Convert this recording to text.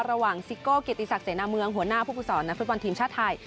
ระหว่างซิโกเกียรติศักดิ์เสนาเมืองหัวหน้าผู้ประสอบนักฟุตบอลทีมชาติไทย